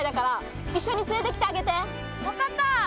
分かった！